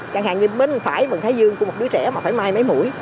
chẳng hạn như bến bên phải bằng thái dương của một đứa trẻ mà phải mai mấy mũi